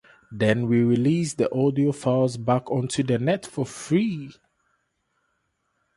Then we release the audio files back onto the net for free.